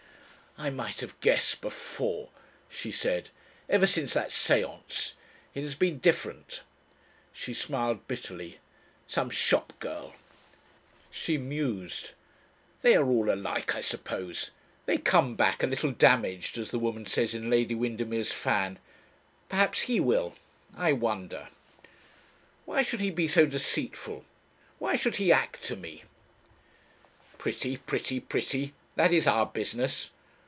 "I might have guessed before," she said. "Ever since that séance. It has been different ..." She smiled bitterly. "Some shop girl ..." She mused. "They are all alike, I suppose. They come back a little damaged, as the woman says in 'Lady Windermere's Fan.' Perhaps he will. I wonder ..." "Why should he be so deceitful? Why should he act to me ...? "Pretty, pretty, pretty that is our business.